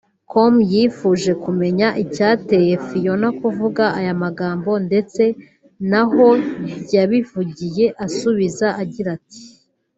com yifuje kumenya icyateye Phionah kuvuga aya magambo ndetse n'aho yabivugiye asubiza agira ati